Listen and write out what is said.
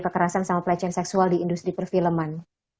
kekerasan dan passion seksual di industri perfilman